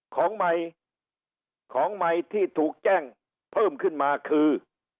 ของใหม่ของใหม่ที่ถูกแจ้งเพิ่มขึ้นมาคือ